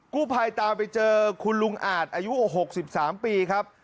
กู้ภัยตามไปเจอคุณลุงอาจอายุ๖๓ปีครับ